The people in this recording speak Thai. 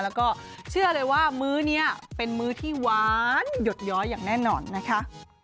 แล้วก็เชื่อเลยว่ามื้อนี้เป็นมื้อที่หวานหยดย้อยอย่างแน่นอนนะคะ